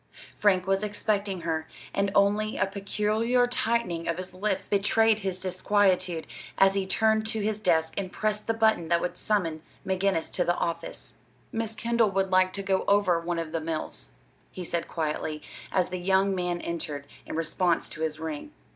Frank was expecting her, and only a peculiar tightening of his lips betrayed his disquietude as he turned to his desk and pressed the button that would summon McGinnis to the office. "Miss Kendall would like to go over one of the mills," he said quietly, as the young man entered, in response to his ring.